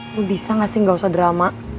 ibu bisa gak sih gak usah drama